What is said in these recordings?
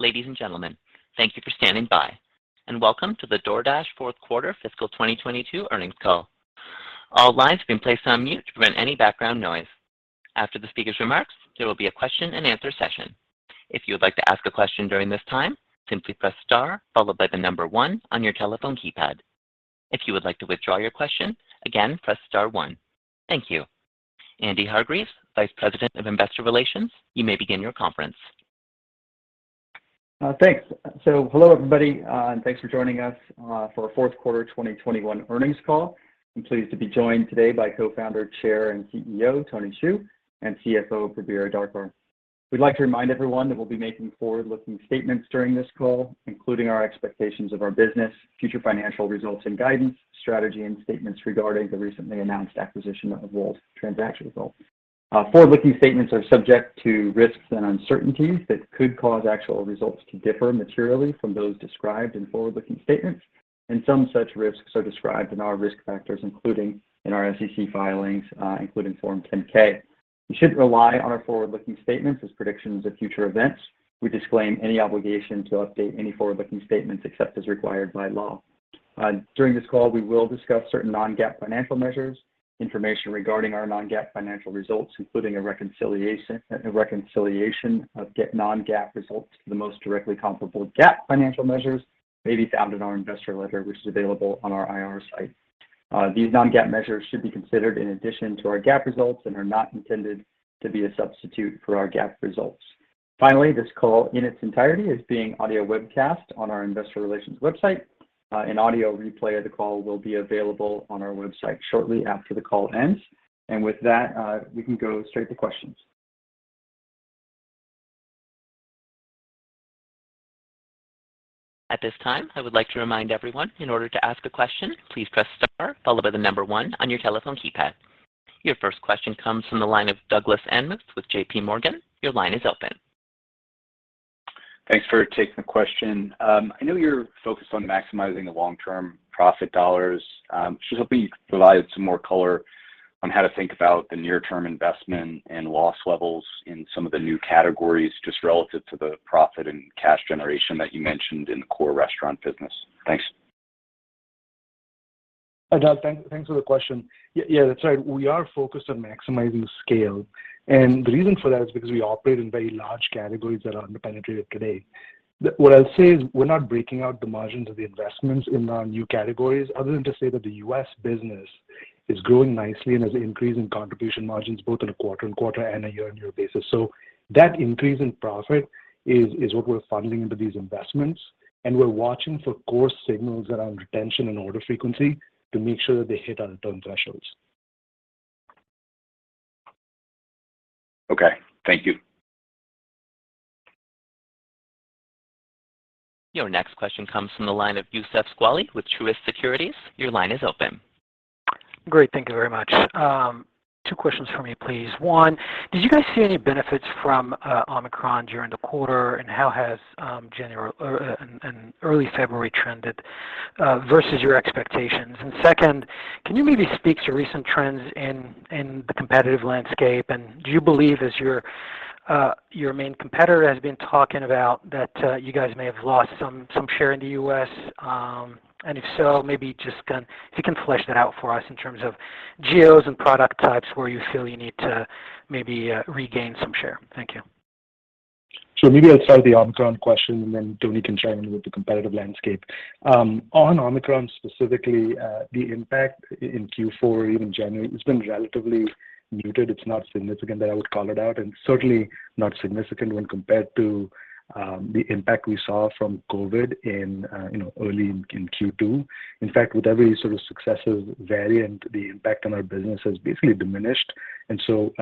Ladies and gentlemen, thank you for standing by, and welcome to the DoorDash Q4 fiscal 2022 earnings call. All lines have been placed on mute to prevent any background noise. After the speaker's remarks, there will be a Q&A session. If you would like to ask a question during this time, simply press star followed by the number one on your telephone keypad. If you would like to withdraw your question, again, press star one. Thank you. Andy Hargreaves, Vice President of Investor Relations, you may begin your conference. Thanks. Hello, everybody, and thanks for joining us for our Q4 2021 earnings call. I'm pleased to be joined today by Co-founder, Chair, and CEO, Tony Xu, and CFO, Prabir Adarkar. We'd like to remind everyone that we'll be making forward-looking statements during this call, including our expectations of our business, future financial results and guidance, strategy, and statements regarding the recently announced acquisition of Wolt transaction results. Forward-looking statements are subject to risks and uncertainties that could cause actual results to differ materially from those described in forward-looking statements, and some such risks are described in our risk factors, including in our SEC filings, including Form 10-K. You shouldn't rely on our forward-looking statements as predictions of future events. We disclaim any obligation to update any forward-looking statements except as required by law. During this call, we will discuss certain non-GAAP financial measures. Information regarding our non-GAAP financial results, including a reconciliation of non-GAAP results to the most directly comparable GAAP financial measures, may be found in our investor letter, which is available on our IR site. These non-GAAP measures should be considered in addition to our GAAP results and are not intended to be a substitute for our GAAP results. Finally, this call in its entirety is being audio webcast on our investor relations website. An audio replay of the call will be available on our website shortly after the call ends. With that, we can go straight to questions. At this time, I would like to remind everyone, in order to ask a question, please press star followed by one on your telephone keypad. Your first question comes from the line of Doug Anmuth with JPMorgan. Your line is open. Thanks for taking the question. I know you're focused on maximizing the long-term profit dollars. Just hoping you could provide some more color on how to think about the near-term investment and loss levels in some of the new categories, just relative to the profit and cash generation that you mentioned in the core restaurant business. Thanks. Doug, thanks for the question. Yeah, that's right. We are focused on maximizing scale. The reason for that is because we operate in very large categories that are underpenetrated today. What I'll say is we're not breaking out the margins of the investments in our new categories, other than to say that the U.S. business is growing nicely and has an increase in contribution margins, both on a quarter-over-quarter and a year-over-year basis. That increase in profit is what we're funding into these investments, and we're watching for core signals around retention and order frequency to make sure that they hit our return thresholds. Okay. Thank you. Your next question comes from the line of Youssef Squali with Truist Securities. Your line is open. Great. Thank you very much. Two questions for me, please. One, did you guys see any benefits from Omicron during the quarter, and how has January and early February trended versus your expectations? Second, can you maybe speak to recent trends in the competitive landscape? Do you believe, as your main competitor has been talking about, that you guys may have lost some share in the U.S.? If so, maybe just if you can flesh that out for us in terms of geos and product types where you feel you need to maybe regain some share. Thank you. Maybe I'll start with the Omicron question, and then Tony can chime in with the competitive landscape. On Omicron specifically, the impact in Q4, even January, it's been relatively muted. It's not significant that I would call it out, and certainly not significant when compared to the impact we saw from COVID in you know early in Q2. In fact, with every sort of successive variant, the impact on our business has basically diminished. You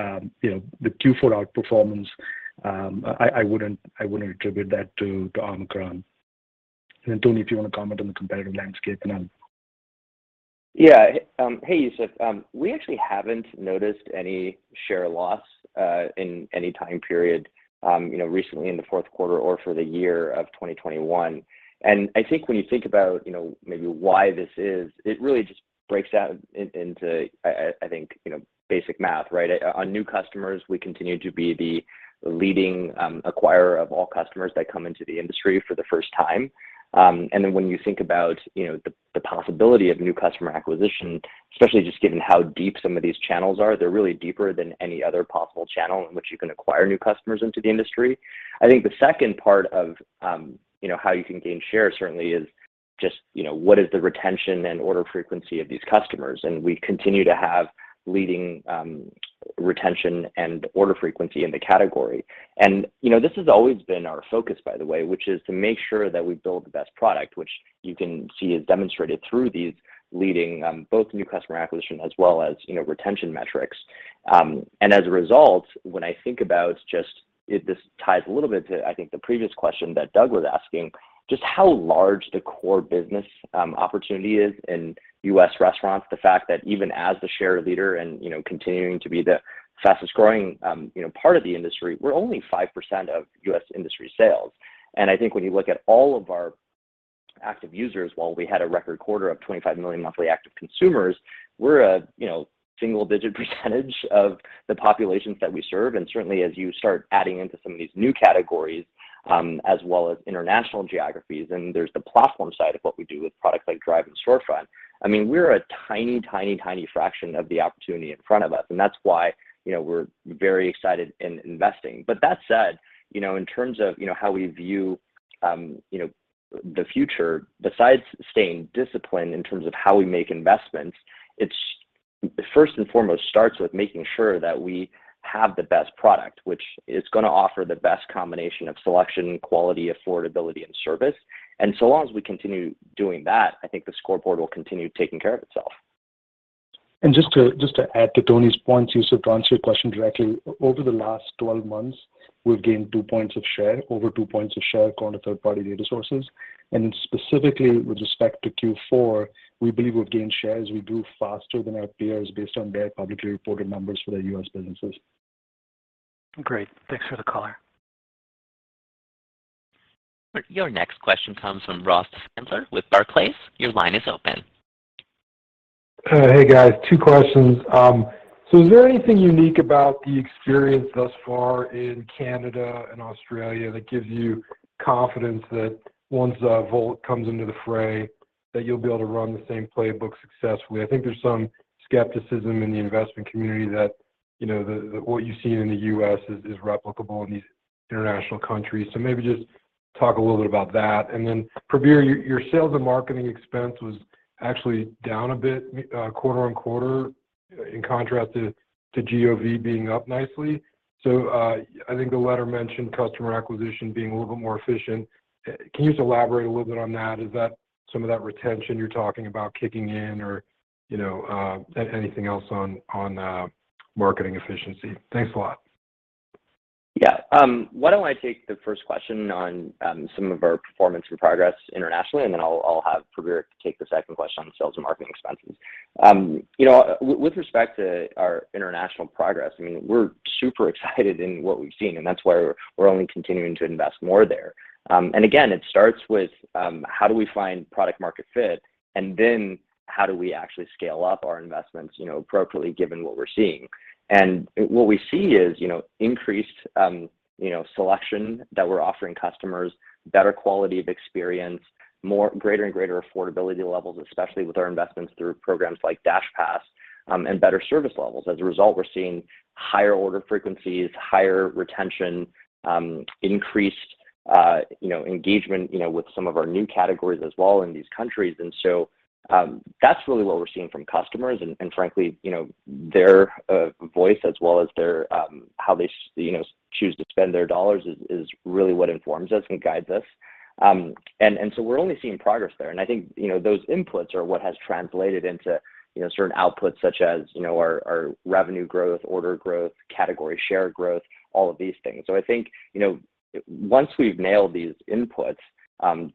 know, the Q4 outperformance, I wouldn't attribute that to Omicron. Tony, if you want to comment on the competitive landscape now. Yeah. Hey, Youssef. We actually haven't noticed any share loss in any time period, you know, recently in the Q4 or for the year of 2021. I think when you think about, you know, maybe why this is, it really just breaks out into, I think, you know, basic math, right? On new customers, we continue to be the leading acquirer of all customers that come into the industry for the first time. Then when you think about, you know, the possibility of new customer acquisition, especially just given how deep some of these channels are, they're really deeper than any other possible channel in which you can acquire new customers into the industry. I think the second part of, you know, how you can gain share certainly is just, you know, what is the retention and order frequency of these customers, and we continue to have leading, retention and order frequency in the category. You know, this has always been our focus, by the way, which is to make sure that we build the best product, which you can see is demonstrated through these leading, both new customer acquisition as well as, you know, retention metrics. As a result, when I think about just, this ties a little bit to, I think, the previous question that Doug was asking, just how large the core business, opportunity is in U.S. restaurants. The fact that even as the share leader and, you know, continuing to be the fastest-growing, you know, part of the industry, we're only 5% of U.S. industry sales. I think when you look at all of our active users, while we had a record quarter of 25 million monthly active consumers, we're a, you know, single-digit percentage of the populations that we serve. Certainly, as you start adding into some of these new categories, as well as international geographies, and there's the platform side of what we do with products like Drive and Storefront. I mean, we're a tiny, tiny fraction of the opportunity in front of us, and that's why, you know, we're very excited in investing. That said, you know, in terms of, you know, how we view, you know, the future, besides staying disciplined in terms of how we make investments, it first and foremost starts with making sure that we have the best product, which is gonna offer the best combination of selection, quality, affordability, and service. So long as we continue doing that, I think the scoreboard will continue taking care of itself. Just to add to Tony's points, Youssef, to answer your question directly, over the last 12 months, we've gained two points of share, over two points of share according to third-party data sources. Specifically, with respect to Q4, we believe we've gained share as we grew faster than our peers based on their publicly reported numbers for their U.S. businesses. Great. Thanks for the color. Your next question comes from Ross Sandler with Barclays. Your line is open. Hey, guys. Two questions. Is there anything unique about the experience thus far in Canada and Australia that gives you confidence that once Wolt comes into the fray, that you'll be able to run the same playbook successfully? I think there's some skepticism in the investment community that, you know, what you've seen in the U.S. is replicable in these international countries. Maybe just talk a little bit about that. Then, Prabir, your sales and marketing expense was actually down a bit quarter-over-quarter, in contrast to GOV being up nicely. I think the letter mentioned customer acquisition being a little bit more efficient. Can you just elaborate a little bit on that? Is that some of that retention you're talking about kicking in or, you know, anything else on marketing efficiency? Thanks a lot. Yeah. Why don't I take the first question on some of our performance and progress internationally, and then I'll have Prabir take the second question on sales and marketing expenses. You know, with respect to our international progress, I mean, we're super excited in what we've seen, and that's why we're only continuing to invest more there. Again, it starts with how do we find product market fit, and then how do we actually scale up our investments, you know, appropriately given what we're seeing. What we see is, you know, increased, you know, selection that we're offering customers, better quality of experience, more greater and greater affordability levels, especially with our investments through programs like DashPass, and better service levels. As a result, we're seeing higher order frequencies, higher retention, increased you know, engagement you know, with some of our new categories as well in these countries. That's really what we're seeing from customers and frankly, you know, their voice as well as their how they you know, choose to spend their dollars is really what informs us and guides us. We're only seeing progress there. I think, you know, those inputs are what has translated into, you know, certain outputs such as, you know, our revenue growth, order growth, category share growth, all of these things. I think, you know, once we've nailed these inputs,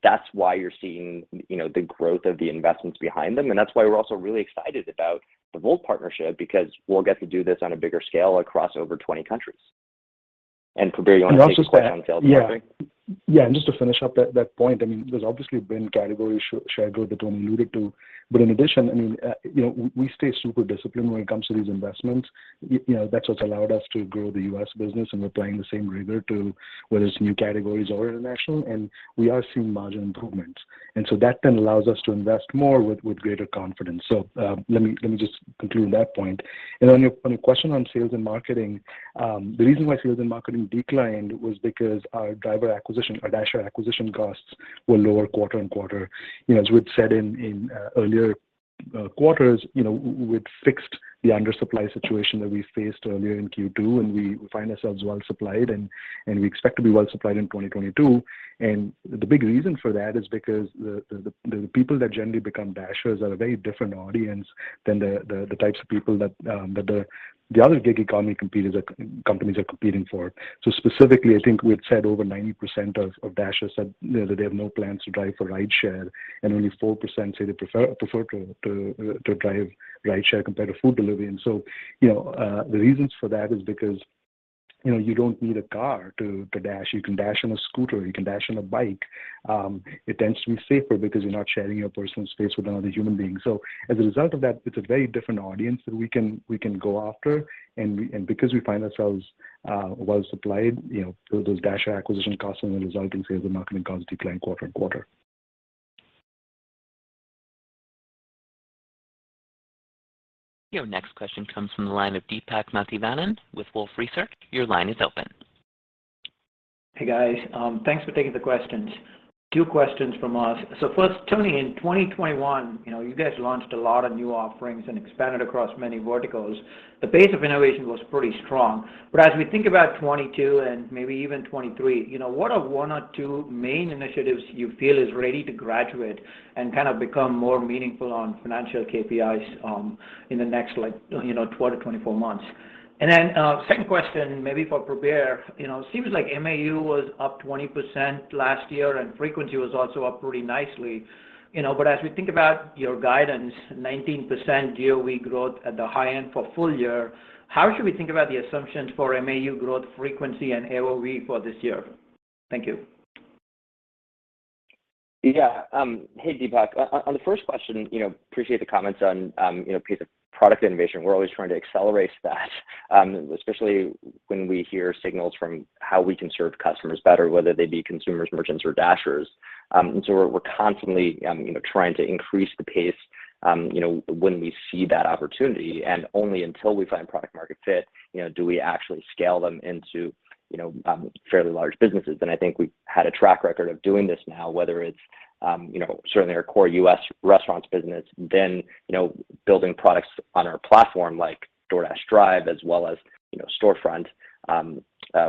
that's why you're seeing, you know, the growth of the investments behind them. That's why we're also really excited about the Wolt partnership because we'll get to do this on a bigger scale across over 20 countries. Prabir, you want to take the question on sales and marketing? Just to finish up that point, I mean, there's obviously been category share growth that Tony alluded to. In addition, I mean, you know, we stay super disciplined when it comes to these investments. You know, that's what's allowed us to grow the U.S. business, and we're applying the same rigor to whether it's new categories or international, and we are seeing margin improvements. That then allows us to invest more with greater confidence. Let me just conclude that point. On your question on sales and marketing, the reason why sales and marketing declined was because our driver acquisition, our Dasher acquisition costs were lower quarter-over-quarter. You know, as we'd said in earlier quarters, you know, we'd fixed the under supply situation that we faced earlier in Q2, and we find ourselves well supplied, and we expect to be well supplied in 2022. The big reason for that is because the people that generally become Dashers are a very different audience than the types of people that the other gig economy competitors companies are competing for. Specifically, I think we had said over 90% of Dashers said that they have no plans to drive for rideshare, and only 4% say they prefer to drive rideshare compared to food delivery. You know, the reasons for that is because, you know, you don't need a car to dash. You can dash on a scooter. You can dash on a bike. It tends to be safer because you're not sharing your personal space with another human being. As a result of that, it's a very different audience that we can go after. Because we find ourselves well supplied, you know, those Dasher acquisition costs and the resulting sales and marketing costs decline quarter-on-quarter. Your next question comes from the line of Deepak Mathivanan with Wolfe Research. Your line is open. Hey, guys. Thanks for taking the questions. Two questions from us. First, Tony, in 2021, you know, you guys launched a lot of new offerings and expanded across many verticals. The pace of innovation was pretty strong. As we think about 2022 and maybe even 2023, you know, what are one or two main initiatives you feel is ready to graduate and kind of become more meaningful on financial KPIs, in the next, like, you know, 12-24 months? And then, second question maybe for Prabir. You know, seems like MAU was up 20% last year, and frequency was also up pretty nicely. You know, as we think about your guidance, 19% GOV growth at the high end for full year, how should we think about the assumptions for MAU growth frequency and AOV for this year? Thank you. Yeah. Hey, Deepak. On the first question, you know, appreciate the comments on, you know, pace of product innovation. We're always trying to accelerate that, especially when we hear signals from how we can serve customers better, whether they be consumers, merchants or Dashers. We're constantly, you know, trying to increase the pace, you know, when we see that opportunity, and only until we find product market fit, you know, do we actually scale them into, you know, fairly large businesses. I think we've had a track record of doing this now, whether it's, you know, certainly our core U.S. restaurants business, then, you know, building products on our platform like DoorDash Drive as well as, you know, Storefront.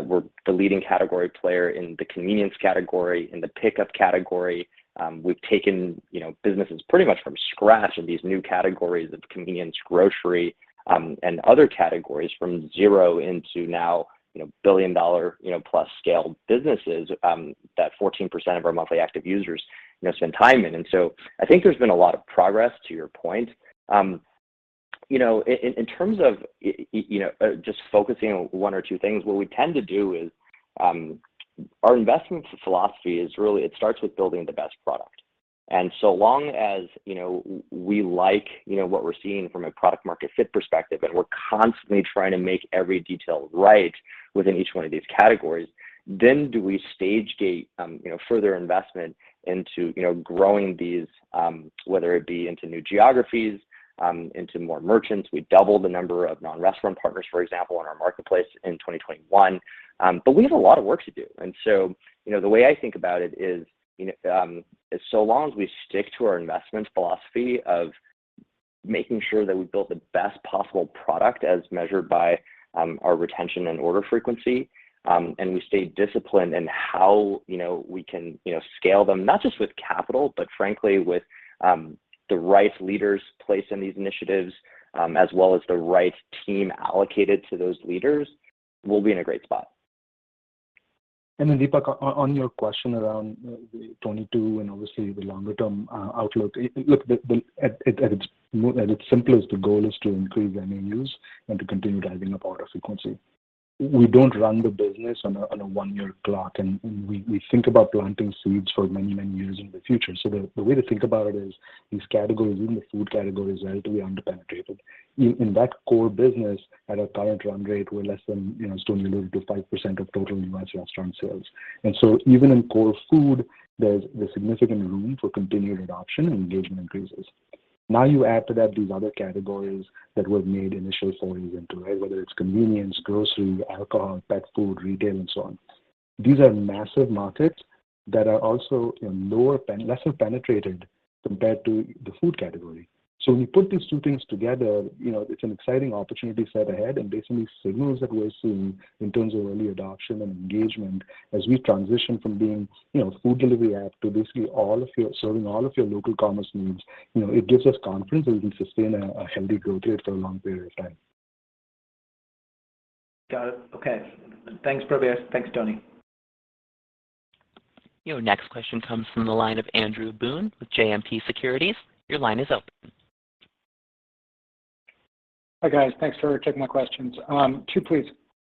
We're the leading category player in the convenience category, in the pickup category. We've taken, you know, businesses pretty much from scratch in these new categories of convenience, grocery, and other categories from zero into now, you know, billion-dollar-plus scale businesses that 14% of our monthly active users, you know, spend time in. I think there's been a lot of progress to your point. You know, in terms of you know, just focusing on one or two things, what we tend to do is, our investment philosophy is really it starts with building the best product. Long as, you know, we like, you know, what we're seeing from a product market fit perspective, and we're constantly trying to make every detail right within each one of these categories, then do we stage gate, you know, further investment into, you know, growing these, whether it be into new geographies, into more merchants. We doubled the number of non-restaurant partners, for example, in our marketplace in 2021. We have a lot of work to do. You know, the way I think about it is, you know, so long as we stick to our investment philosophy of making sure that we build the best possible product as measured by our retention and order frequency, and we stay disciplined in how, you know, we can, you know, scale them, not just with capital, but frankly with the right leaders placed in these initiatives, as well as the right team allocated to those leaders, we'll be in a great spot. Deepak, on your question around Proposition 22 and obviously the longer-term outlook. Look, at its simplest, the goal is to increase MAUs and to continue driving up order frequency. We don't run the business on a one-year clock, and we think about planting seeds for many years in the future. The way to think about it is these categories, even the food categories, are relatively underpenetrated. In that core business at our current run rate, we're less than, you know, it's only 1%-5% of total U.S. restaurant sales. Even in core food, there's significant room for continued adoption and engagement increases. Now you add to that these other categories that we've made initial forays into, right? Whether it's convenience, groceries, alcohol, pet food, retail and so on. These are massive markets that are also, you know, lesser penetrated compared to the food category. When you put these two things together, you know, it's an exciting opportunity set ahead. Based on these signals that we're seeing in terms of early adoption and engagement as we transition from being, you know, a food delivery app to basically serving all of your local commerce needs, you know, it gives us confidence that we can sustain a healthy growth rate for a long period of time. Got it. Okay. Thanks, Prabir. Thanks, Tony. Your next question comes from the line of Andrew Boone with JMP Securities. Your line is open. Hi, guys. Thanks for taking my questions. Two please.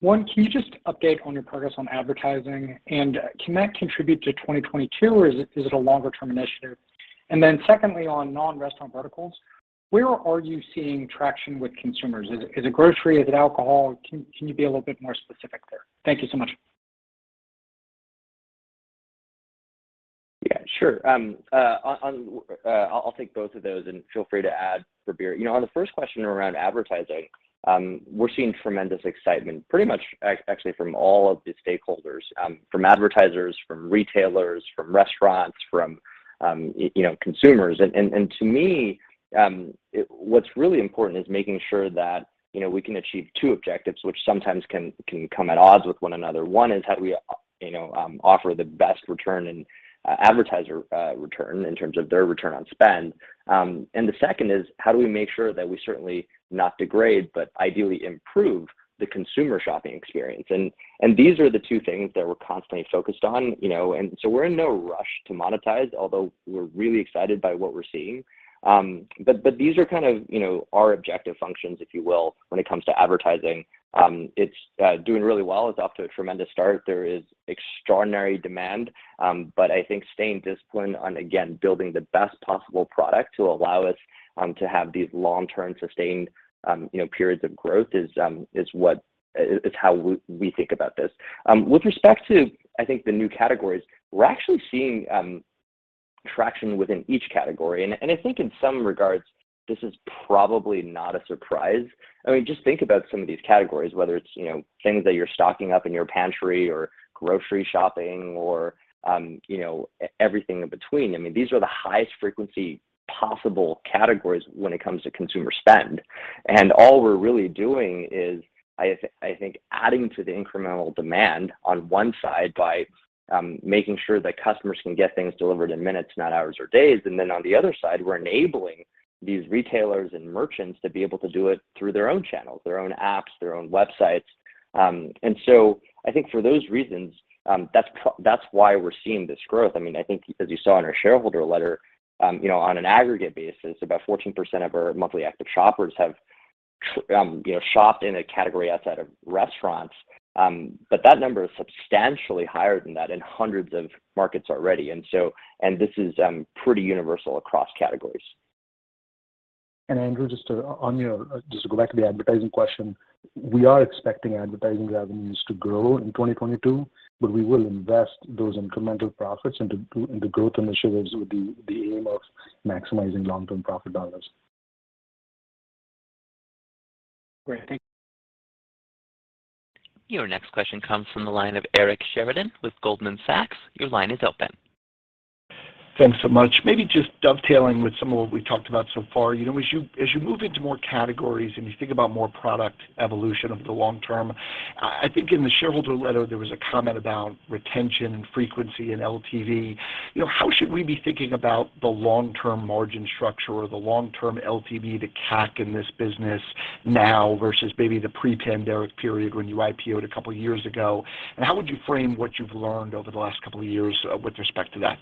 One, can you just update on your progress on advertising, and can that contribute to 2022, or is it a longer term initiative? Secondly, on non-restaurant verticals, where are you seeing traction with consumers? Is it grocery? Is it alcohol? Can you be a little bit more specific there? Thank you so much. Yeah, sure. On, I'll take both of those, and feel free to add, Prabir. You know, on the first question around advertising, we're seeing tremendous excitement, pretty much actually from all of the stakeholders, from advertisers, from retailers, from restaurants, from you know, consumers. To me, what's really important is making sure that, you know, we can achieve two objectives, which sometimes can come at odds with one another. One is how we, you know, offer the best return on ad spend. The second is how do we make sure that we certainly not degrade but ideally improve the consumer shopping experience. These are the two things that we're constantly focused on, you know. We're in no rush to monetize, although we're really excited by what we're seeing. These are kind of, you know, our objective functions, if you will, when it comes to advertising. It's doing really well. It's off to a tremendous start. There is extraordinary demand. I think staying disciplined on, again, building the best possible product to allow us to have these long-term sustained, you know, periods of growth is how we think about this. With respect to, I think, the new categories, we're actually seeing traction within each category. I think in some regards, this is probably not a surprise. I mean, just think about some of these categories, whether it's, you know, things that you're stocking up in your pantry or grocery shopping or, you know, everything in between. I mean, these are the highest frequency possible categories when it comes to consumer spend. All we're really doing is I think adding to the incremental demand on one side by making sure that customers can get things delivered in minutes, not hours or days. Then on the other side, we're enabling these retailers and merchants to be able to do it through their own channels, their own apps, their own websites. I think for those reasons, that's why we're seeing this growth. I mean, I think as you saw in our shareholder letter, you know, on an aggregate basis, about 14% of our monthly active shoppers have shopped in a category outside of restaurants. That number is substantially higher than that in hundreds of markets already. This is pretty universal across categories. Andrew, just to go back to the advertising question, we are expecting advertising revenues to grow in 2022, but we will invest those incremental profits into growth initiatives with the aim of maximizing long-term profit dollars. Great. Thank you. Your next question comes from the line of Eric Sheridan with Goldman Sachs. Your line is open. Thanks so much. Maybe just dovetailing with some of what we talked about so far. You know, as you move into more categories and you think about more product evolution over the long term, I think in the shareholder letter, there was a comment about retention and frequency and LTV. You know, how should we be thinking about the long-term margin structure or the long-term LTV to CAC in this business now versus maybe the pre-pandemic period when you IPO'd a couple years ago? How would you frame what you've learned over the last couple of years with respect to that?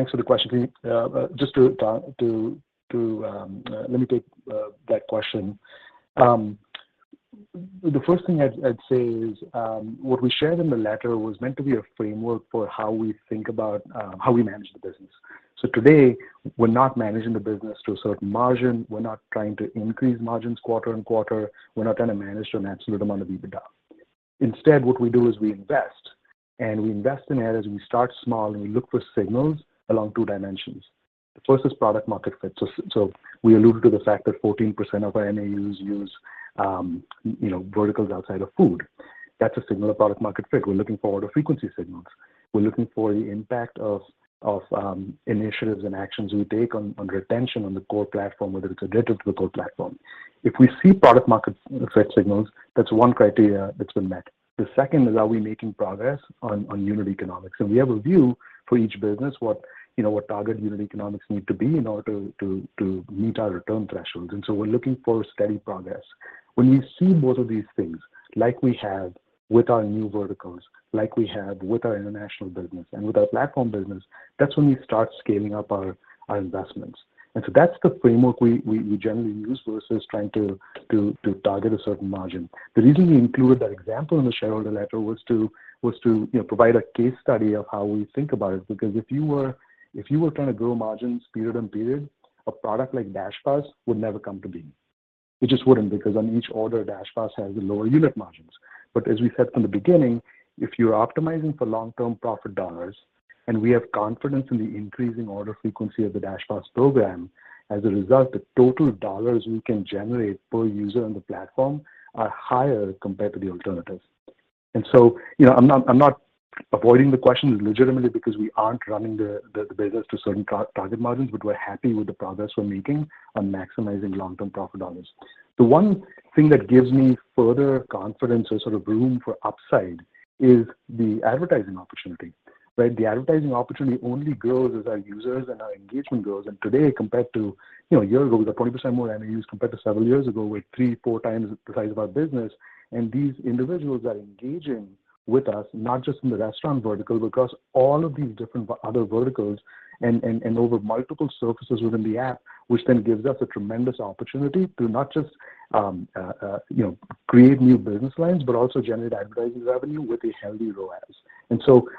Thanks. Yeah, thanks for the question, Eric. Thanks for the question. Just to let me take that question. The first thing I'd say is what we shared in the letter was meant to be a framework for how we think about how we manage the business. Today, we're not managing the business to a certain margin. We're not trying to increase margins quarter-and-quarter. We're not trying to manage to an absolute amount of EBITDA. Instead, what we do is we invest, and we invest in areas, and we start small, and we look for signals along two dimensions. The first is product market fit. We alluded to the fact that 14% of our MAUs use verticals outside of food. That's a signal of product market fit. We're looking for order frequency signals. We're looking for the impact of initiatives and actions we take on retention on the core platform, whether it's additive to the core platform. If we see product market fit signals, that's one criteria that's been met. The second is, are we making progress on unit economics? We have a view for each business what target unit economics need to be in order to meet our return thresholds. We're looking for steady progress. When we see both of these things, like we have with our new verticals, like we have with our international business and with our platform business, that's when we start scaling up our investments. That's the framework we generally use versus trying to target a certain margin. The reason we included that example in the shareholder letter was to you know provide a case study of how we think about it, because if you were trying to grow margins period-over-period, a product like DashPass would never come to be. It just wouldn't, because on each order, DashPass has lower unit margins. As we said from the beginning, if you're optimizing for long-term profit dollars, and we have confidence in the increasing order frequency of the DashPass program, as a result, the total dollars we can generate per user on the platform are higher compared to the alternatives. You know, I'm not avoiding the question legitimately because we aren't running the business to certain target margins, but we're happy with the progress we're making on maximizing long-term profit dollars. The one thing that gives me further confidence or sort of room for upside is the advertising opportunity, right? The advertising opportunity only grows as our users and our engagement grows. Today, compared to, you know, a year ago, with 20% more MAUs compared to several years ago, we're 3-4 times the size of our business. These individuals are engaging with us, not just in the restaurant vertical, but across all of these different other verticals and over multiple surfaces within the app, which then gives us a tremendous opportunity to not just, you know, create new business lines, but also generate advertising revenue with a healthy ROAS.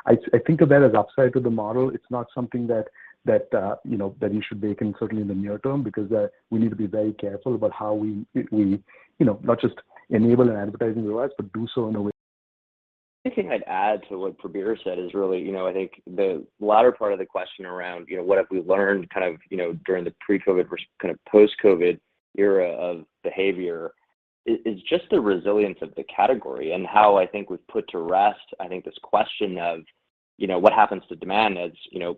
I think of that as upside to the model. It's not something that you know that you should bake in certainly in the near term, because we need to be very careful about how we you know not just enable an advertising ROAS, but do so in a way- Only thing I'd add to what Prabir said is really, you know, I think the latter part of the question around, you know, what have we learned kind of, you know, during the pre-COVID kind of post-COVID era of behavior is just the resilience of the category and how I think we've put to rest, I think this question of, you know, what happens to demand as, you know,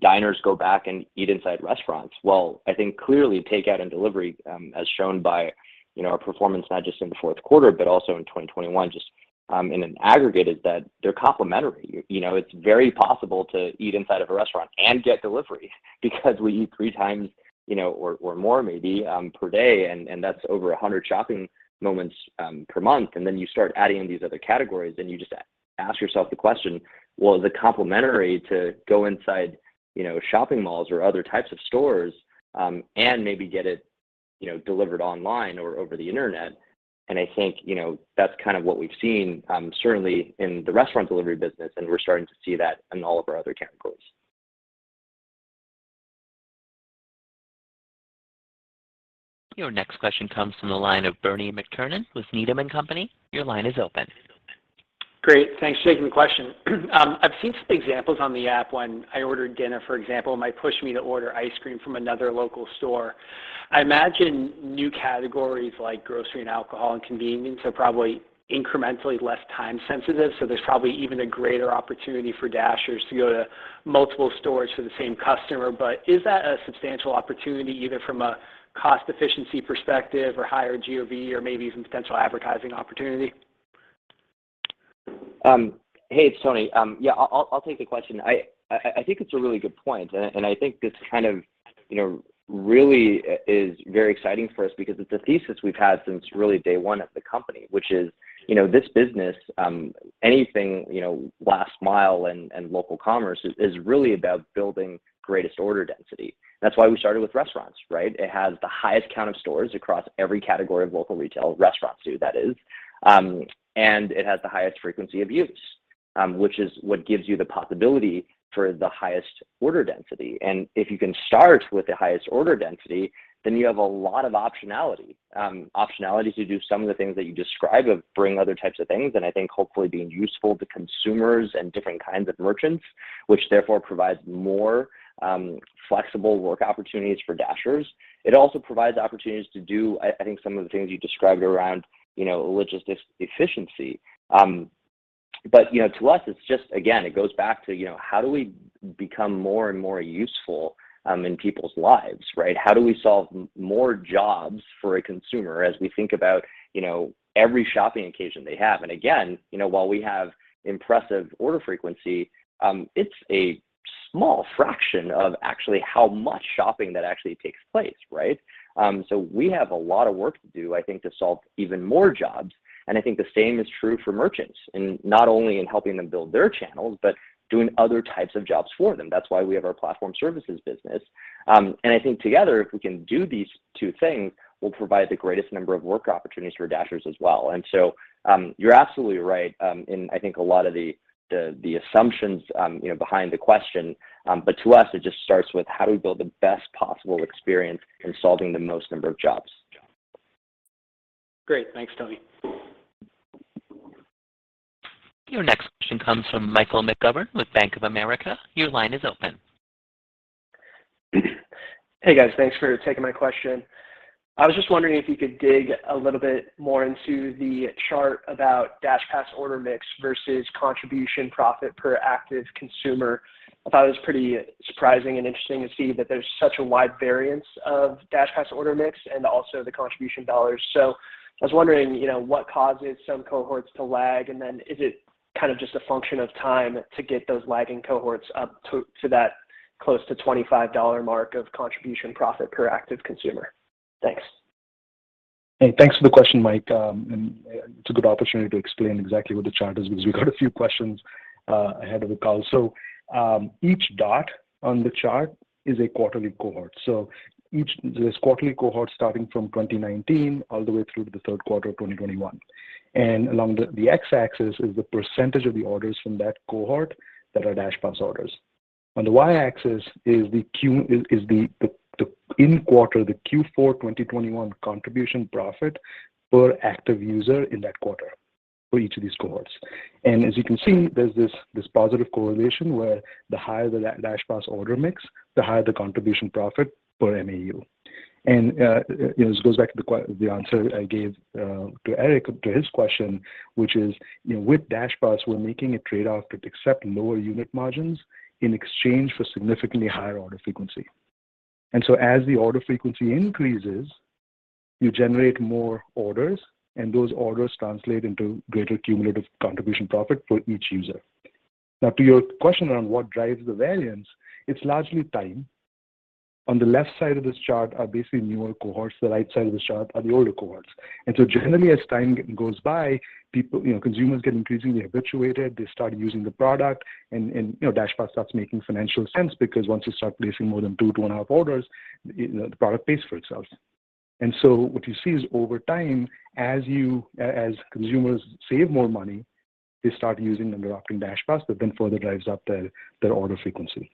diners go back and eat inside restaurants. Well, I think clearly takeout and delivery, as shown by, you know, our performance not just in the Q4, but also in 2021, just in an aggregate, is that they're complementary. You know, it's very possible to eat inside of a restaurant and get delivery because we eat 3 times, you know, or more maybe, per day, and that's over 100 shopping moments, per month. Then you start adding in these other categories, and you just ask yourself the question, well, is it complementary to go inside, you know, shopping malls or other types of stores, and maybe get it, you know, delivered online or over the internet? I think, you know, that's kind of what we've seen, certainly in the restaurant delivery business, and we're starting to see that in all of our other categories. Your next question comes from the line of Bernie McTernan with Needham & Company. Your line is open. Great. Thanks. Jake, question. I've seen some examples on the app when I ordered dinner, for example, it might push me to order ice cream from another local store. I imagine new categories like grocery and alcohol and convenience are probably incrementally less time sensitive, so there's probably even a greater opportunity for Dashers to go to multiple stores for the same customer. Is that a substantial opportunity either from a cost efficiency perspective or higher GOV or maybe even potential advertising opportunity? Hey, it's Tony. Yeah, I'll take the question. I think it's a really good point, and I think this kind of, you know, really is very exciting for us because it's a thesis we've had since really day one at the company, which is, you know, this business, anything, you know, last mile and local commerce is really about building greatest order density. That's why we started with restaurants, right? It has the highest count of stores across every category of local retail, restaurants do, that is, and it has the highest frequency of use, which is what gives you the possibility for the highest order density. If you can start with the highest order density, then you have a lot of optionality. Optionality to do some of the things that you describe of bringing other types of things, and I think hopefully being useful to consumers and different kinds of merchants, which therefore provides more flexible work opportunities for Dashers. It also provides opportunities to do, I think some of the things you described around, you know, logistics efficiency. You know, to us, it's just again, it goes back to, you know, how do we become more and more useful in people's lives, right? How do we solve more jobs for a consumer as we think about, you know, every shopping occasion they have? Again, you know, while we have impressive order frequency, it's a small fraction of actually how much shopping that actually takes place, right? We have a lot of work to do, I think, to solve even more jobs. I think the same is true for merchants, and not only in helping them build their channels, but doing other types of jobs for them. That's why we have our platform services business. I think together, if we can do these two things, we'll provide the greatest number of work opportunities for Dashers as well. You're absolutely right in I think a lot of the assumptions you know behind the question. But to us, it just starts with how do we build the best possible experience in solving the most number of jobs. Great. Thanks, Tony. Your next question comes from Michael McGovern with Bank of America. Your line is open. Hey, guys. Thanks for taking my question. I was just wondering if you could dig a little bit more into the chart about DashPass order mix versus contribution profit per active consumer. I thought it was pretty surprising and interesting to see that there's such a wide variance of DashPass order mix and also the contribution dollars. I was wondering, you know, what causes some cohorts to lag, and then is it kind of just a function of time to get those lagging cohorts up to that close to $25 mark of contribution profit per active consumer? Thanks. Hey, thanks for the question, Michael. It's a good opportunity to explain exactly what the chart is because we got a few questions ahead of the call. Each dot on the chart is a quarterly cohort. Along the x-axis is the percentage of the orders from that cohort that are DashPass orders. On the y-axis is the in quarter, the Q4 2021 contribution profit per active user in that quarter for each of these cohorts. As you can see, there's this positive correlation where the higher the DashPass order mix, the higher the contribution profit per MAU. You know, this goes back to the answer I gave to Eric to his question, which is, you know, with DashPass, we're making a trade-off to accept lower unit margins in exchange for significantly higher order frequency. As the order frequency increases, you generate more orders, and those orders translate into greater cumulative contribution profit for each user. Now to your question around what drives the variance, it's largely time. On the left side of this chart are basically newer cohorts, the right side of this chart are the older cohorts. Generally, as time goes by, people, you know, consumers get increasingly habituated, they start using the product and, you know, DashPass starts making financial sense because once you start placing more than two and a half orders, you know, the product pays for itself. What you see is over time, as consumers save more money, they start using and adopting DashPass, that then further drives up their order frequency.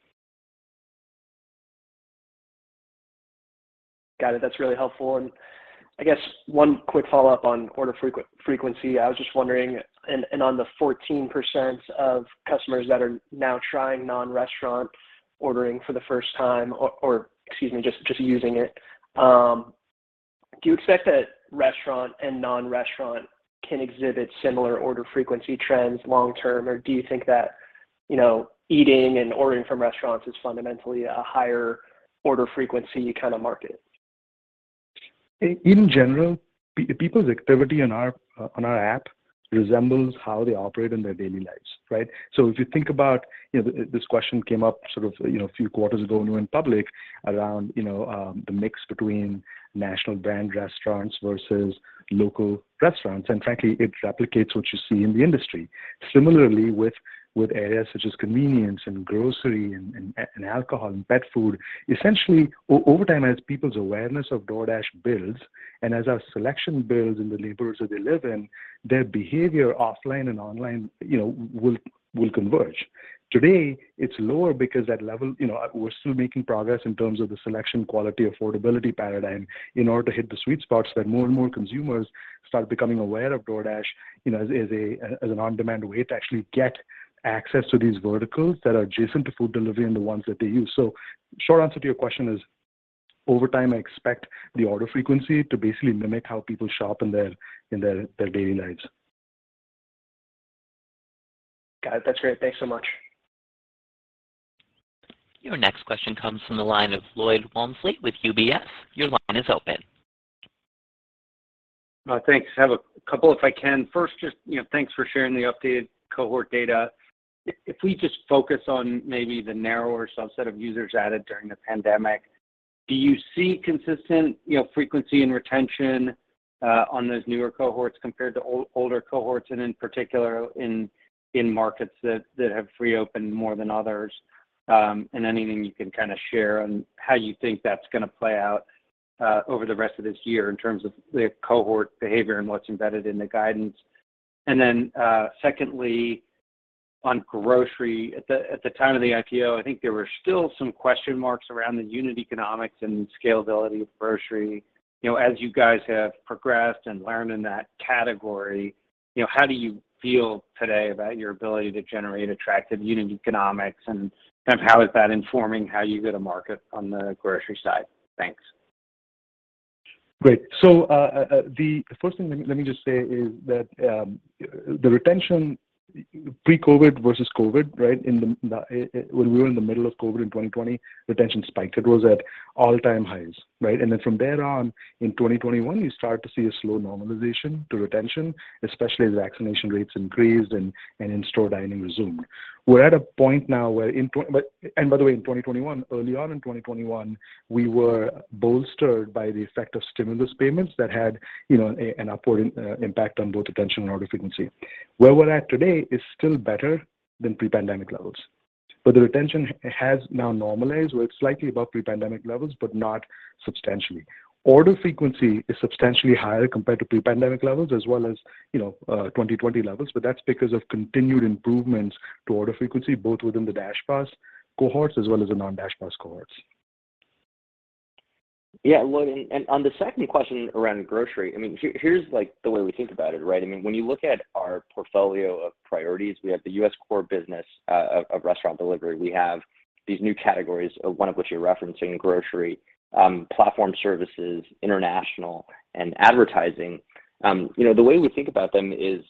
Got it. That's really helpful. I guess one quick follow-up on order frequency. I was just wondering, and on the 14% of customers that are now trying non-restaurant ordering for the first time, excuse me, just using it, do you expect that restaurant and non-restaurant can exhibit similar order frequency trends long term? Or do you think that, you know, eating and ordering from restaurants is fundamentally a higher order frequency kind of market? In general, people's activity on our app resembles how they operate in their daily lives, right? If you think about, you know, this question came up sort of, you know, a few quarters ago when we went public around, you know, the mix between national brand restaurants versus local restaurants. Frankly, it replicates what you see in the industry. Similarly, with areas such as convenience and grocery and alcohol and pet food, essentially over time, as people's awareness of DoorDash builds and as our selection builds in the neighborhoods that they live in, their behavior offline and online, you know, will converge. Today it's lower because that level, you know, we're still making progress in terms of the selection, quality, affordability paradigm in order to hit the sweet spots that more and more consumers start becoming aware of DoorDash, you know, as a, as an on-demand way to actually get access to these verticals that are adjacent to food delivery and the ones that they use. Short answer to your question is, over time, I expect the order frequency to basically mimic how people shop in their daily lives. Got it. That's great. Thanks so much. Your next question comes from the line of Lloyd Walmsley with UBS. Your line is open. Thanks. I have a couple if I can. First, you know, thanks for sharing the updated cohort data. If we just focus on maybe the narrower subset of users added during the pandemic, do you see consistent, you know, frequency and retention on those newer cohorts compared to older cohorts, and in particular in markets that have re-opened more than others? Anything you can kinda share on how you think that's gonna play out over the rest of this year in terms of the cohort behavior and what's embedded in the guidance? Secondly, on grocery, at the time of the IPO, I think there were still some question marks around the unit economics and scalability of grocery. You know, as you guys have progressed and learned in that category, you know, how do you feel today about your ability to generate attractive unit economics, and kind of how is that informing how you go to market on the grocery side? Thanks. Great. The first thing, let me just say, is that the retention pre-COVID versus COVID, right, when we were in the middle of COVID in 2020, retention spiked. It was at all-time highs, right? Then from there on in 2021, you start to see a slow normalization to retention, especially as vaccination rates increased and in-store dining resumed. We're at a point now. By the way, in 2021, early on in 2021, we were bolstered by the effect of stimulus payments that had, you know, an upward impact on both retention and order frequency. Where we're at today is still better than pre-pandemic levels, but the retention has now normalized. We're slightly above pre-pandemic levels, but not substantially. Order frequency is substantially higher compared to pre-pandemic levels as well as, you know, 2020 levels, but that's because of continued improvements to order frequency, both within the DashPass cohorts as well as the non-DashPass cohorts. Yeah, Lloyd, on the second question around grocery, I mean, here's like the way we think about it, right? I mean, when you look at our portfolio of priorities, we have the U.S. core business of restaurant delivery. We have these new categories, one of which you're referencing, grocery, platform services, international, and advertising. You know, the way we think about them is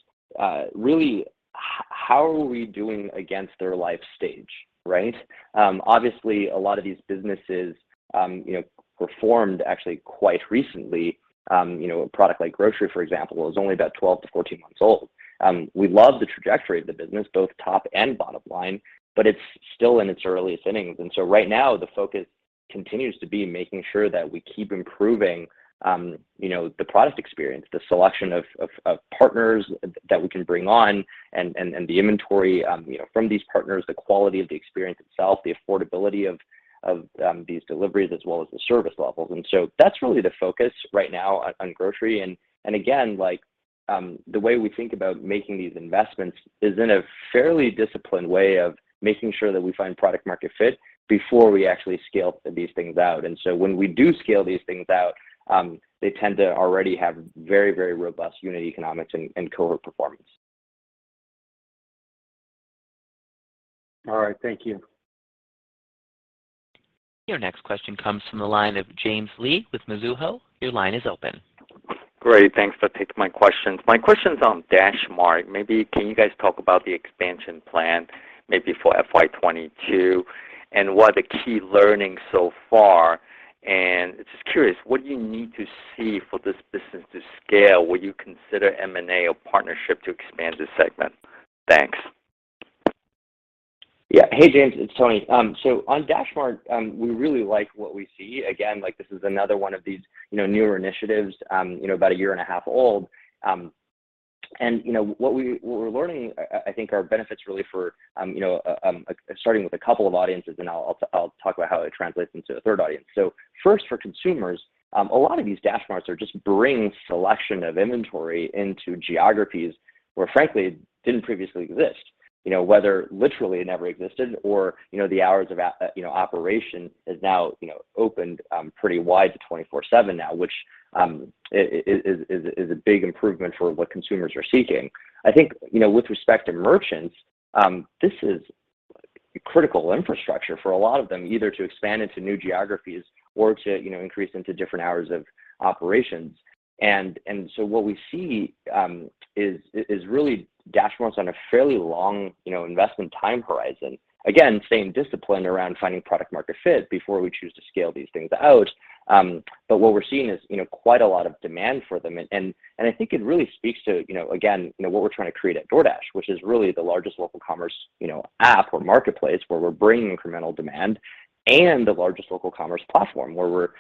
really how are we doing against their life stage, right? Obviously, a lot of these businesses, you know, were formed actually quite recently. You know, a product like grocery, for example, is only about 12-14 months old. We love the trajectory of the business, both top and bottom line, but it's still in its earliest innings. Right now, the focus continues to be making sure that we keep improving, you know, the product experience, the selection of partners that we can bring on, and the inventory, you know, from these partners, the quality of the experience itself, the affordability of these deliveries, as well as the service levels. That's really the focus right now on grocery. Again, like, the way we think about making these investments is in a fairly disciplined way of making sure that we find product market fit before we actually scale these things out. When we do scale these things out, they tend to already have very robust unit economics and cohort performance. All right, thank you. Your next question comes from the line of James Lee with Mizuho. Your line is open. Great, thanks. I'll take my questions. My question's on DashMart. Maybe can you guys talk about the expansion plan maybe for FY 2022, and what are the key learnings so far? Just curious, what do you need to see for this business to scale? Would you consider M&A or partnership to expand this segment? Thanks. Yeah. Hey, James, it's Tony. On DashMart, we really like what we see. Again, like, this is another one of these, you know, newer initiatives, you know, about a year and a half old. You know, what we're learning, I think are benefits really for, you know, starting with a couple of audiences, and I'll talk about how it translates into a third audience. First for consumers, a lot of these DashMarts are just bringing selection of inventory into geographies where, frankly, it didn't previously exist. You know, whether literally it never existed or, you know, the hours of operation is now, you know, opened pretty wide to 24/7 now, which is a big improvement for what consumers are seeking. I think, you know, with respect to merchants, this is critical infrastructure for a lot of them, either to expand into new geographies or to, you know, increase into different hours of operations. So what we see is really DashMart's on a fairly long, you know, investment time horizon. Again, staying disciplined around finding product market fit before we choose to scale these things out. What we're seeing is, you know, quite a lot of demand for them. I think it really speaks to, you know, again, you know, what we're trying to create at DoorDash, which is really the largest local commerce, you know, app or marketplace where we're bringing incremental demand, and the largest local commerce platform where we're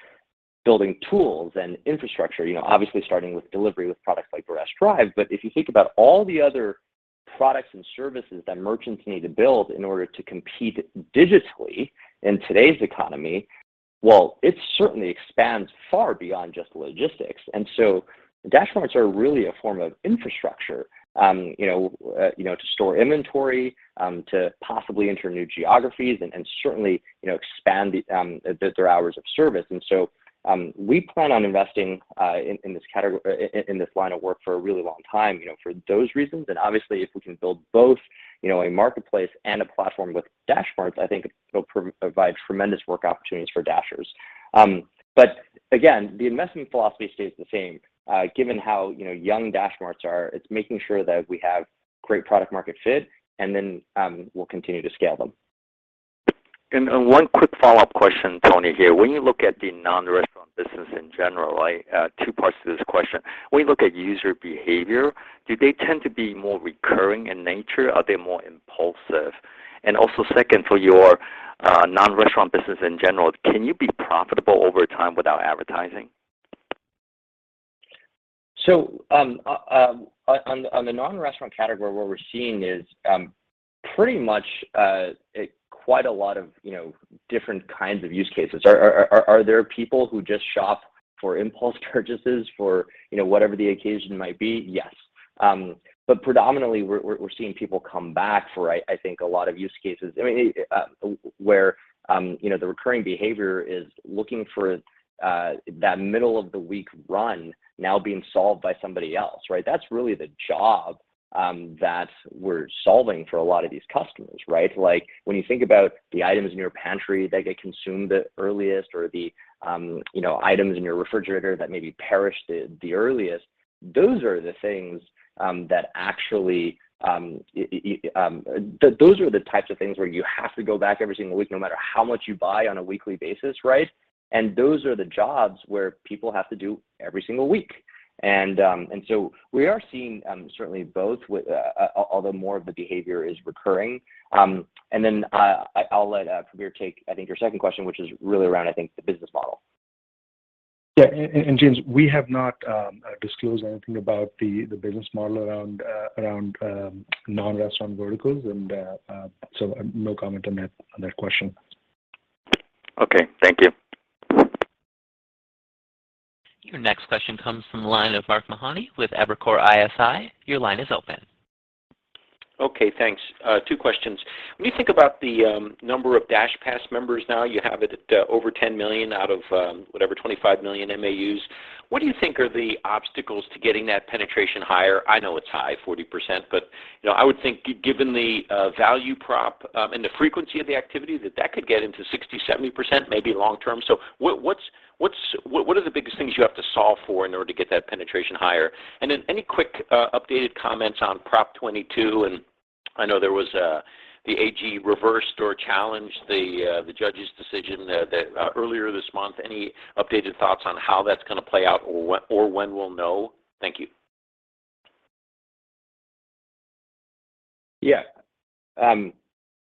building tools and infrastructure, you know, obviously starting with delivery with products like DoorDash Drive. If you think about all the other products and services that merchants need to build in order to compete digitally in today's economy, well, it certainly expands far beyond just logistics. DashMarts are really a form of infrastructure, you know, to store inventory, to possibly enter new geographies and certainly, you know, expand their hours of service. We plan on investing in this category, in this line of work for a really long time, you know, for those reasons. Obviously, if we can build both, you know, a marketplace and a platform with DashMarts, I think it'll provide tremendous work opportunities for Dashers. Again, the investment philosophy stays the same. Given how, you know, young DashMarts are, it's making sure that we have great product market fit, and then we'll continue to scale them. One quick follow-up question, Tony, here. When you look at the non-restaurant business in general, right, two parts to this question. When you look at user behavior, do they tend to be more recurring in nature? Are they more impulsive? Also second, for your non-restaurant business in general, can you be profitable over time without advertising? On the non-restaurant category, what we're seeing is pretty much quite a lot of, you know, different kinds of use cases. Are there people who just shop for impulse purchases for, you know, whatever the occasion might be? Yes. But predominantly we're seeing people come back for, I think, a lot of use cases. I mean, where, you know, the recurring behavior is looking for that middle of the week run now being solved by somebody else, right? That's really the job that we're solving for a lot of these customers, right? Like when you think about the items in your pantry that get consumed the earliest, or the, you know, items in your refrigerator that maybe perish the earliest, those are the things that actually those are the types of things where you have to go back every single week no matter how much you buy on a weekly basis, right? Those are the jobs where people have to do every single week. And so we are seeing certainly both with, although more of the behavior is recurring. And then I'll let Prabir take, I think, your second question, which is really around, I think, the business model. Yeah. James, we have not disclosed anything about the business model around non-restaurant verticals. No comment on that question. Okay. Thank you. Your next question comes from the line of Mark Mahaney with Evercore ISI. Your line is open. Okay, thanks. Two questions. When you think about the number of DashPass members now, you have it at over 10 million out of whatever, 25 million MAUs. What do you think are the obstacles to getting that penetration higher? I know it's high, 40%, but you know, I would think given the value prop and the frequency of the activity, that could get into 60%-70% maybe long term. So what are the biggest things you have to solve for in order to get that penetration higher? And then any quick updated comments on Proposition 22? And I know there was the AG reversed or challenged the judge's decision that earlier this month. Any updated thoughts on how that's gonna play out or when we'll know? Thank you. Yeah.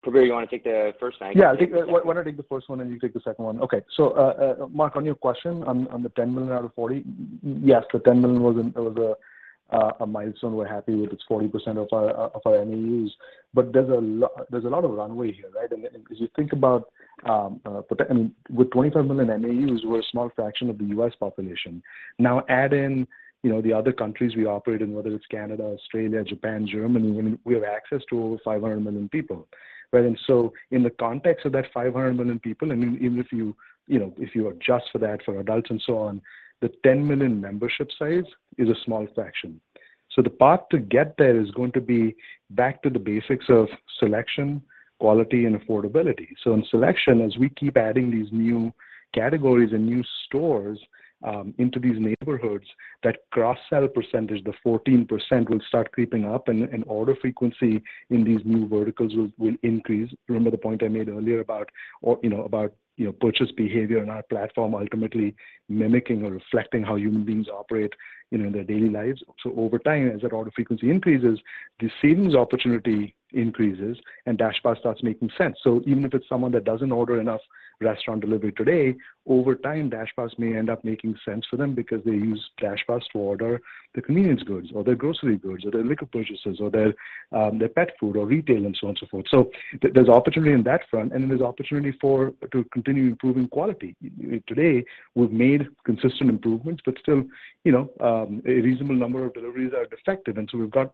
Prabir, you wanna take the first and I can take the second one? Yeah. Why don't I take the first one, and you take the second one? Okay. Mark, on your question on the 10 million out of 40, yes, the 10 million was a milestone we're happy with. It's 40% of our MAUs. There's a lot of runway here, right? If you think about potential, with 25 million MAUs, we're a small fraction of the U.S. population. Now, add in, you know, the other countries we operate in, whether it's Canada, Australia, Japan, Germany, I mean, we have access to over 500 million people, right? In the context of that 500 million people, and even if you know, if you adjust for that, for adults and so on, the 10 million membership size is a small fraction. The path to get there is going to be back to the basics of selection, quality and affordability. In selection, as we keep adding these new categories and new stores into these neighborhoods, that cross-sell percentage, the 14%, will start creeping up and order frequency in these new verticals will increase. Remember the point I made earlier about, you know, purchase behavior on our platform ultimately mimicking or reflecting how human beings operate, you know, in their daily lives. Over time, as that order frequency increases, the savings opportunity increases and DashPass starts making sense. Even if it's someone that doesn't order enough restaurant delivery today, over time, DashPass may end up making sense for them because they use DashPass to order the convenience goods or their grocery goods or their liquor purchases or their pet food or retail and so on, so forth. There's opportunity on that front, and then there's opportunity to continue improving quality. Today, we've made consistent improvements, but still, you know, a reasonable number of deliveries are defective, and so we've got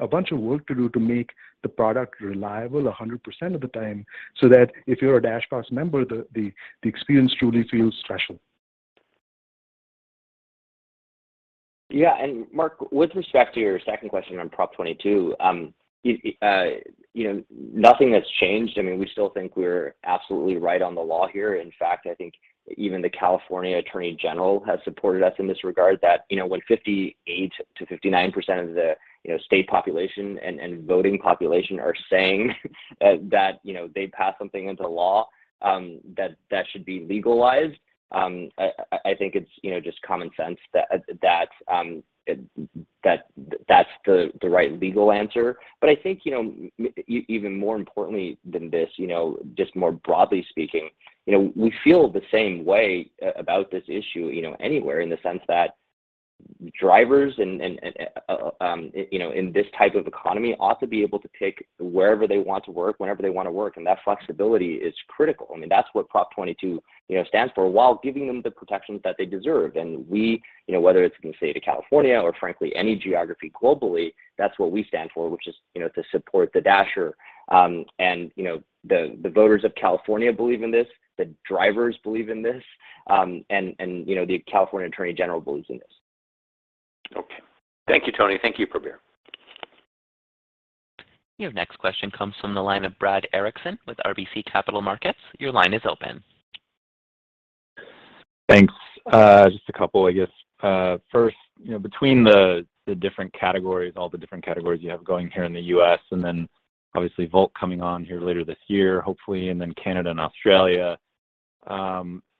a bunch of work to do to make the product reliable 100% of the time, so that if you're a DashPass member, the experience truly feels special. Yeah. Mark, with respect to your second question on Proposition 22, you know, nothing has changed. I mean, we still think we're absolutely right on the law here. In fact, I think even the California Attorney General has supported us in this regard that, you know, when 58%-59% of the state population and voting population are saying that, you know, they passed something into law, that should be legalized, I think it's, you know, just common sense that that's the right legal answer. I think, you know, even more importantly than this, you know, just more broadly speaking, you know, we feel the same way about this issue, you know, anywhere in the sense that drivers, you know, in this type of economy ought to be able to pick wherever they want to work, whenever they want to work, and that flexibility is critical. I mean, that's what Proposition 22, you know, stands for, while giving them the protections that they deserve. We, you know, whether it's in the state of California or frankly any geography globally, that's what we stand for, which is, you know, to support the Dasher. You know, the voters of California believe in this, the drivers believe in this, you know, the California Attorney General believes in this. Okay. Thank you, Tony. Thank you, Prabir. Your next question comes from the line of Brad Erickson with RBC Capital Markets. Your line is open. Thanks. Just a couple, I guess. First, you know, between the different categories, all the different categories you have going here in the U.S., and then obviously Wolt coming on here later this year, hopefully, and then Canada and Australia,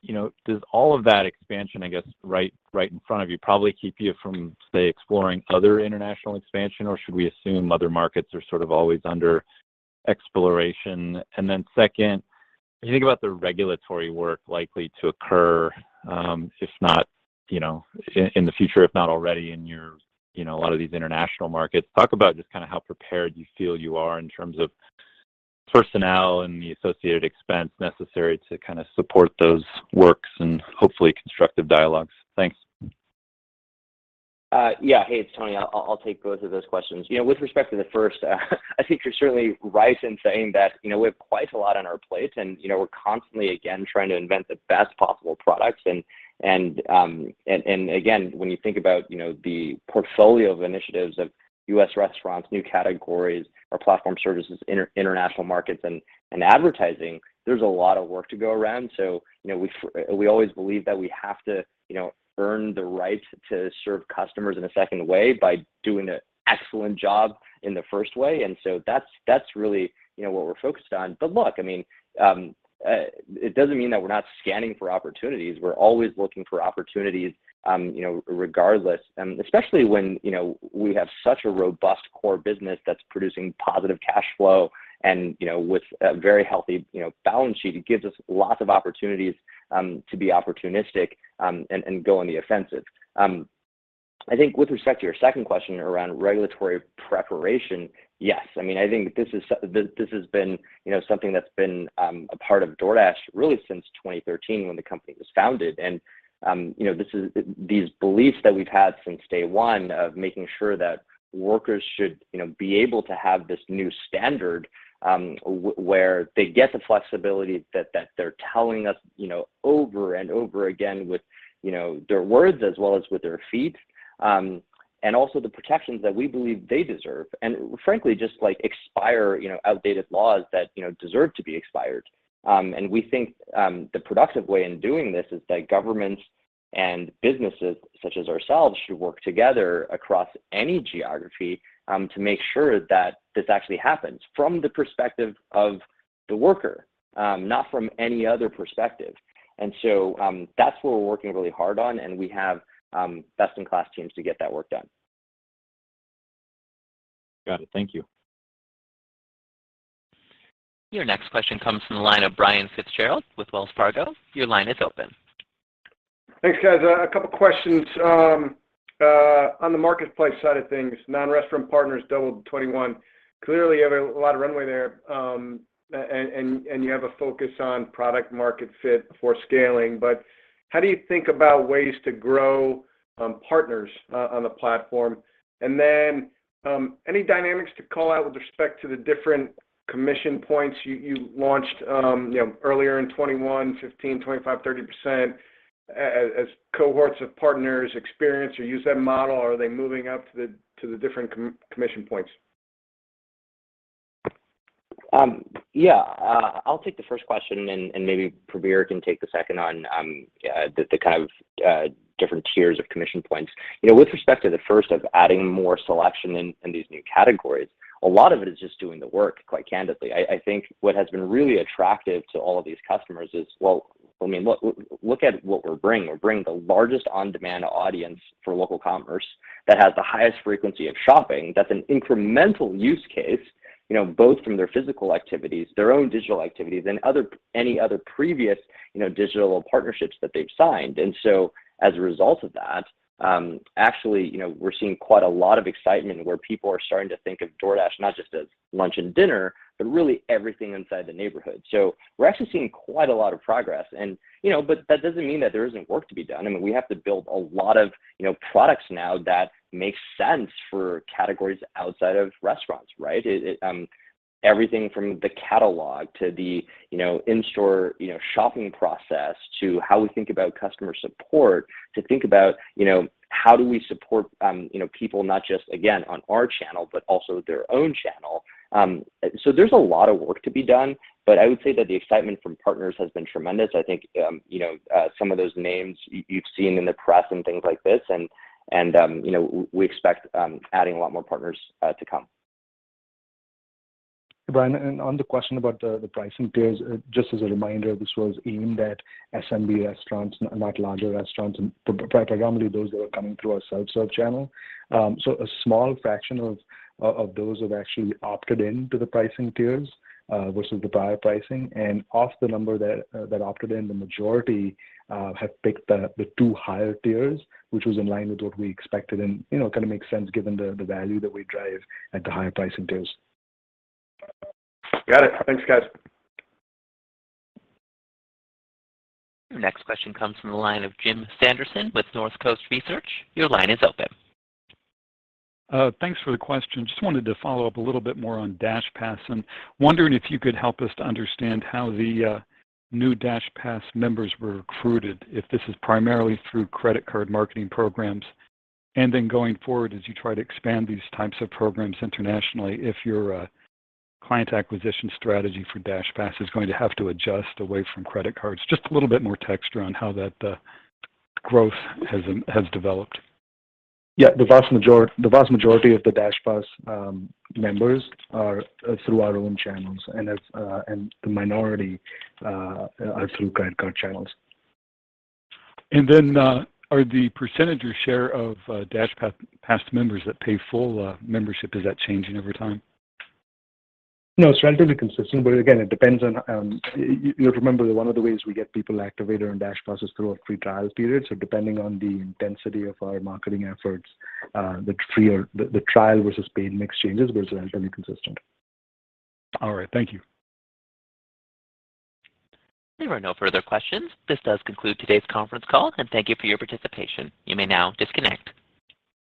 you know, does all of that expansion, I guess, right in front of you probably keep you from, say, exploring other international expansion, or should we assume other markets are sort of always under exploration? Then second, when you think about the regulatory work likely to occur, if not in the future, if not already in your, you know, a lot of these international markets, talk about just kind of how prepared you feel you are in terms of personnel and the associated expense necessary to kind of support those works and hopefully constructive dialogues. Thanks. Yeah. Hey, it's Tony. I'll take both of those questions. You know, with respect to the first, I think you're certainly right in saying that, you know, we have quite a lot on our plate, and you know, we're constantly again trying to invent the best possible products. When you think about, you know, the portfolio of initiatives of U.S. restaurants, new categories or platform services, international markets and advertising, there's a lot of work to go around. You know, we always believe that we have to, you know, earn the right to serve customers in a second way by doing an excellent job in the first way, and so that's really, you know, what we're focused on. Look, I mean, it doesn't mean that we're not scanning for opportunities. We're always looking for opportunities, you know, regardless, and especially when, you know, we have such a robust core business that's producing positive cash flow and, you know, with a very healthy, you know, balance sheet. It gives us lots of opportunities to be opportunistic and go on the offensive. I think with respect to your second question around regulatory preparation, yes. I mean, I think this has been, you know, something that's been a part of DoorDash really since 2013 when the company was founded. This is these beliefs that we've had since day one of making sure that workers should, you know, be able to have this new standard, where they get the flexibility that they're telling us, you know, over and over again with, you know, their words as well as with their feet, and also the protections that we believe they deserve, and frankly, just, like, expire, you know, outdated laws that, you know, deserve to be expired. We think the productive way in doing this is that governments and businesses such as ourselves should work together across any geography, to make sure that this actually happens from the perspective of the worker, not from any other perspective. That's what we're working really hard on, and we have best-in-class teams to get that work done. Got it. Thank you. Your next question comes from the line of Brian Fitzgerald with Wells Fargo. Your line is open. Thanks, guys. A couple questions. On the marketplace side of things, non-restaurant partners doubled in 2021. Clearly, you have a lot of runway there, and you have a focus on product market fit for scaling, but how do you think about ways to grow partners on the platform? Any dynamics to call out with respect to the different commission points you launched, you know, earlier in 2021, 15, 25, 30%, as cohorts of partners experience or use that model? Are they moving up to the different commission points? Yeah. I'll take the first question, and maybe Prabir can take the second on the kind of different tiers of commission points. You know, with respect to the first of adding more selection in these new categories, a lot of it is just doing the work, quite candidly. I think what has been really attractive to all of these customers is, well, I mean, look at what we're bringing. We're bringing the largest on-demand audience for local commerce that has the highest frequency of shopping. That's an incremental use case, you know, both from their physical activities, their own digital activities, and other any other previous, you know, digital partnerships that they've signed. As a result of that, actually, you know, we're seeing quite a lot of excitement where people are starting to think of DoorDash not just as lunch and dinner, but really everything inside the neighborhood. We're actually seeing quite a lot of progress and, you know, but that doesn't mean that there isn't work to be done. I mean, we have to build a lot of, you know, products now that make sense for categories outside of restaurants, right? It's everything from the catalog to the, you know, in-store, you know, shopping process to how we think about customer support to think about, you know, how do we support, you know, people not just, again, on our channel, but also their own channel. There's a lot of work to be done, but I would say that the excitement from partners has been tremendous. I think, you know, some of those names you've seen in the press and things like this and, you know, we expect adding a lot more partners to come. Brian, on the question about the pricing tiers, just as a reminder, this was aimed at SMB restaurants, not larger restaurants, and particularly those that are coming through our self-serve channel. A small fraction of those have actually opted into the pricing tiers versus the prior pricing. Of the number that opted in, the majority have picked the two higher tiers, which was in line with what we expected and, you know, kind of makes sense given the value that we drive at the higher pricing tiers. Got it. Thanks, guys. Your next question comes from the line of Jim Sanderson with Northcoast Research. Your line is open. Thanks for the question. Just wanted to follow up a little bit more on DashPass and wondering if you could help us to understand how the new DashPass members were recruited, if this is primarily through credit card marketing programs, and then going forward as you try to expand these types of programs internationally, if your client acquisition strategy for DashPass is going to have to adjust away from credit cards. Just a little bit more texture on how that growth has developed. Yeah. The vast majority of the DashPass members are through our own channels and the minority are through credit card channels. Are the percentage or share of DashPass members that pay full membership, is that changing over time? No, it's relatively consistent, but again, it depends on you have to remember that one of the ways we get people activated on DashPass is through a free trial period. Depending on the intensity of our marketing efforts, the free or the trial versus paid mix changes, but it's relatively consistent. All right. Thank you. There are no further questions. This does conclude today's conference call, and thank you for your participation. You may now disconnect.